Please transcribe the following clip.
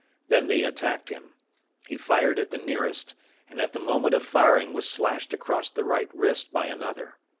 Then they attacked him. He fired at the nearest, and at the moment of firing was slashed across the right wrist by another.